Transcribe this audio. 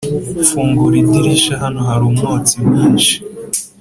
fungura idirisgha hano hari umwotsi mwinshi.